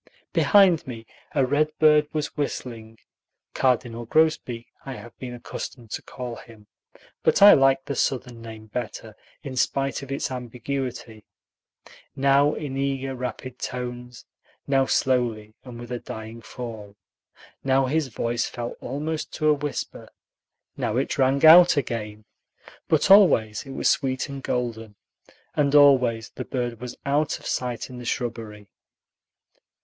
Behind me a redbird was whistling (cardinal grosbeak, I have been accustomed to call him, but I like the Southern name better, in spite of its ambiguity), now in eager, rapid tones, now slowly and with a dying fall. Now his voice fell almost to a whisper, now it rang out again; but always it was sweet and golden, and always the bird was out of sight in the shrubbery.